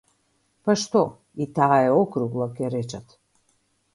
Па што, и таа е округла, ќе речат.